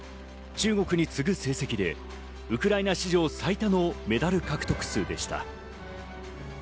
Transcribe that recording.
中国に次ぐ成績でウクライナ史上最多のメダル獲得数でした。